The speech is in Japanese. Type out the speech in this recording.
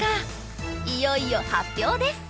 いよいよ発表です。